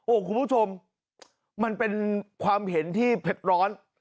คุณผู้ชมมันเป็นความเห็นที่เผ็ดร้อน